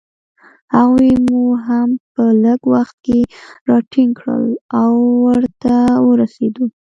هغوی مو هم په لږ وخت کې راټینګ کړل، او ورته ورسېدو.